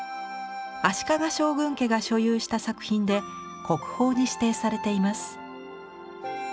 足利将軍家が所有した作品で国宝に指定されています。